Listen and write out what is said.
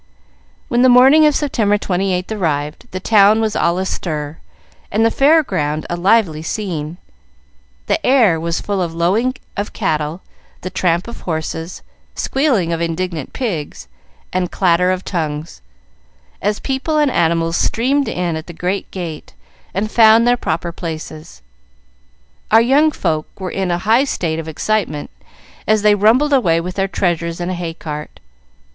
When the morning of September 28th arrived, the town was all astir, and the Fair ground a lively scene. The air was full of the lowing of cattle, the tramp of horses, squealing of indignant pigs, and clatter of tongues, as people and animals streamed in at the great gate and found their proper places. Our young folks were in a high state of excitement, as they rumbled away with their treasures in a hay cart.